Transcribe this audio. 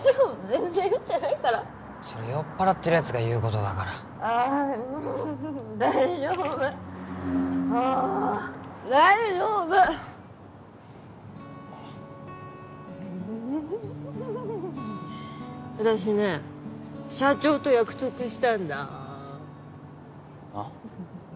全然酔ってないからそれ酔っ払ってるやつが言うことだからあっ大丈夫あ大丈夫私ね社長と約束したんだあっ？